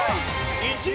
１位。